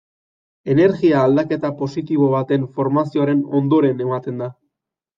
Energia aldaketa positibo baten formazioaren ondoren ematen da.